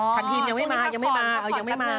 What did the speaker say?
อ๋อส่วนที่ภักษณ์กันหนึ่ง